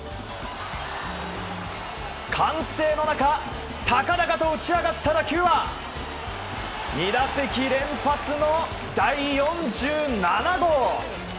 歓声の中高々と打ち上がった打球は２打席連発の第４７号！